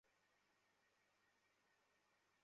তাই কিছু টাকার লোভে পড়ে আমি কয়েকটা গয়না হাতিয়ে নিয়েছিলাম।